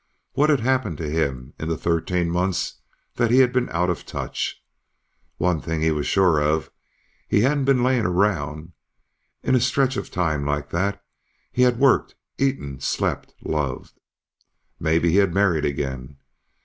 What had happened to him in the thirteen months that he had been out of touch? One thing he was sure of; he hadn't been laying around. In a stretch of time like that, he had worked, eaten, slept, loved ... Maybe he had married again!